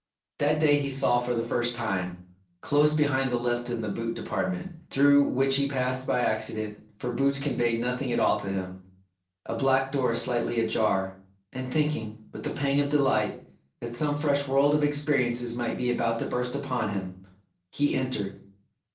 That day he saw for the first time, close beside the lift in the boot department, through which he passed by accident, for boots conveyed nothing at all to him, a black door slightly ajar, and thinking, with a pang of delight, that some fresh world of ex periences might be about to burst upon him, he entered.